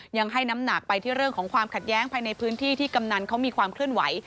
ยังให้น้ำหนักไปที่เรื่องของความขัดแย้งภายในพื้นที่ที่กำนันเขามีความเคลื่อนไหว